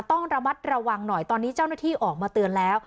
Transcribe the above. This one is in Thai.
ต้องระมัดระวังหน่อยตอนนี้เจ้าหน้าที่ออกมาเตือนแล้ว